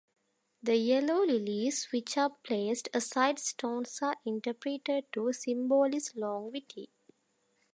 The yellow lilies which are placed aside stones are interpreted to symbolise longevity.